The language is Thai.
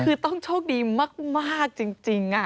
คือต้องโชคดีมากจริง